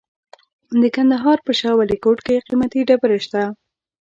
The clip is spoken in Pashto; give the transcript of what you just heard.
د کندهار په شاه ولیکوټ کې قیمتي ډبرې شته.